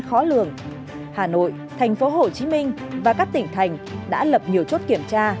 hà nội tp hcm và các tỉnh thành đã lập nhiều chốt kiểm tra